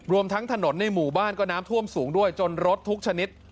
รวมทั้งถนนในหมู่บ้านก็น้ำท่วมสูงด้วยจนรถทุกชนิด